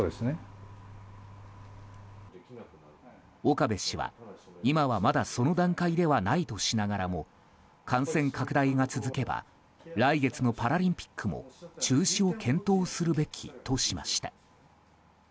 岡部氏は今はまだその段階ではないとしながらも感染拡大が続けば来月のパラリンピックも中止を検討するべきとしました。